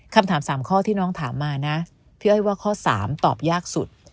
คำถาม๓ข้อที่น้องถามมานะพี่อ้อยว่าข้อ๓ตอบยากสุด